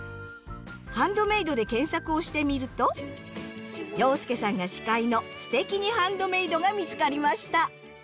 「ハンドメイド」で検索をしてみると洋輔さんが司会の「すてきにハンドメイド」が見つかりました。